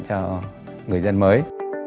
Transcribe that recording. cho người dân mới